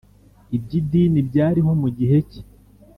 iby’idini byariho mu gihe cye.